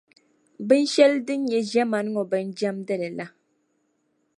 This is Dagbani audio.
binshɛli din nyɛ ʒiɛmani ŋɔ bin’ jɛmdili la.